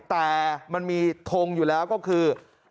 แต่มันมีทงอยู่แล้วก็คือ